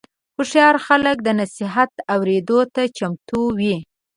هوښیار خلک د نصیحت اورېدو ته چمتو وي.